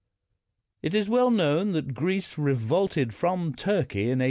It is well known that Greece revolted from Turkey in 1820.